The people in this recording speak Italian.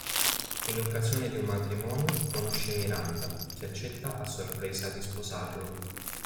In occasione di un matrimonio conosce Miranda, che accetta a sorpresa di sposarlo.